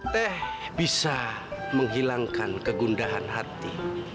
teh bisa menghilangkan kegundahan hati